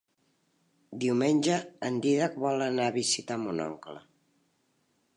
Diumenge en Dídac vol anar a visitar mon oncle.